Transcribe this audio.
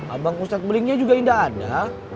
abang ustadz belingnya juga enggak ada